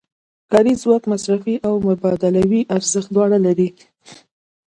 کاري ځواک مصرفي او مبادلوي ارزښت دواړه لري